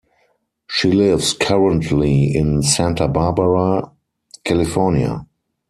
She lives currently in Santa Barbara, California.